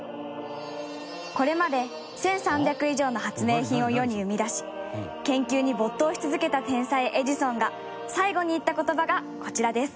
これまで１３００以上の発明品を世に生み出し研究に没頭し続けた天才エジソンが最期に言った言葉がこちらです。